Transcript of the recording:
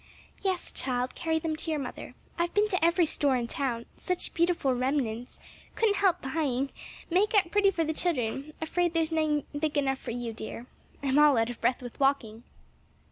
"Yes, child, carry them in to your mother. I've been to every store in town; such beautiful remnants! couldn't help buying! make up pretty for the children; afraid there's none big enough for you, dear. Am all out of breath with walking."